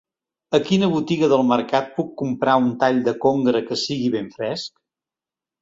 A quina botiga del mercat puc comprar un tall de congre que sigui ben fresc?